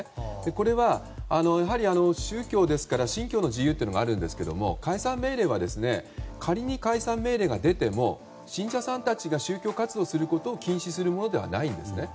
これは宗教ですから信教の自由があるんですが解散命令は仮に解散命令が出ても信者さんたちが宗教活動することを禁止するものではないんですね。